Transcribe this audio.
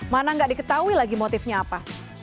mana nggak diketahui lagi motifnya apa